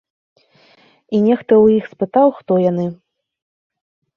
І нехта ў іх спытаў, хто яны.